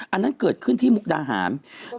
อันนั้นเกิดขึ้นที่มุกดาหาร